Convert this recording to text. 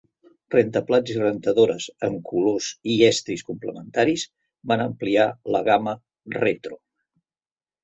Rentaplats i rentadores en colors i estils complementaris van ampliar la gamma retro.